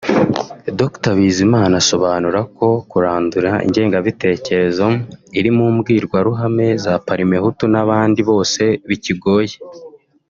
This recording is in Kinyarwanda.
Dr Bizimana asobanura ko ‘kurandura ingengabitekerezo iri mu mbwirwaruhame za parmehutu n’abandi bose bikigoye